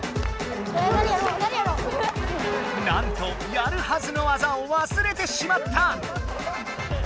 なんとやるはずの技をわすれてしまった！